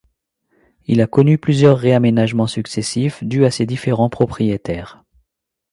Il a connu plusieurs ré-aménagements successifs, dus à ses différents propriétaires.